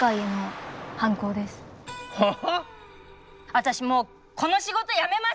私もうこの仕事辞めます！